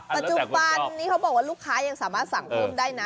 ปัจจุบันนี้เขาบอกว่าลูกค้ายังสามารถสั่งเพิ่มได้นะ